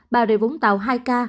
bà rịa vũng tàu hai ca